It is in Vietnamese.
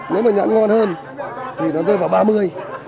nếu mà nhãn ngon hơn thì nó rơi vào ba mươi